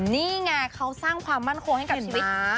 นี่ไงเขาสร้างความมั่นคงให้กับชีวิต